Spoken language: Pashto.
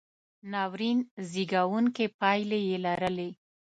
ناورین زېږوونکې پایلې یې لرلې.